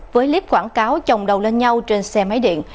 với clip quảng cáo chồng đầu lên nhau trên xe máy điện